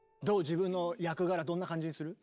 自分の役柄どんな感じする？